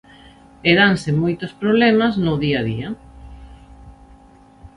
E danse moitos problemas no día a día.